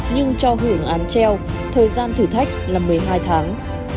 nhưng cho hưởng án treo thời gian thử thách là một mươi hai tháng